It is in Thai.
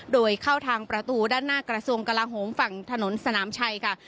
โดยเข้าทางประตูด้านหน้ากระทรวงกลาโหมฝั่งถนนสนามชัยค่ะ